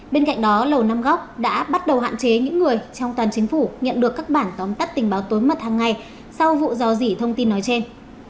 bên cạnh đó lầu năm góc đã bắt đầu hạn chế những người trong toàn chính phủ nhận được các bản tóm tắt tình báo tối mật hàng ngày sau vụ dò dỉ thông tin nói trên